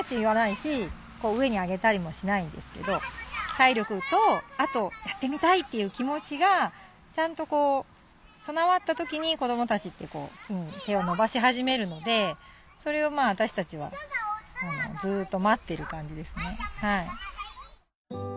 体力とあとやってみたいっていう気持ちがちゃんと備わった時に子どもたちってこう手を伸ばし始めるのでそれをまあ私たちはずっと待っている感じですね。